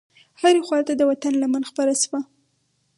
هرې خواته د وطن لمن خپره شوه.